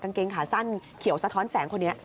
เกงขาสั้นเขียวสะท้อนแสงคนนี้